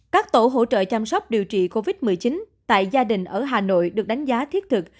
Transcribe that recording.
các tổ hỗ trợ chăm sóc điều trị covid một mươi chín tại gia đình ở hà nội được đánh giá thiết thực